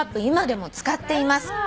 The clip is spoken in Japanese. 今でも使っています」